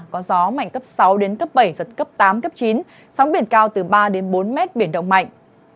có gió mạnh cấp sáu đến cấp bảy giật cấp tám cấp chín sóng biển cao từ ba bốn mét biển động mạnh